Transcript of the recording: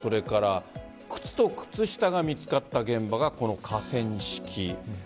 それから靴と靴下が見つかった現場がこの河川敷。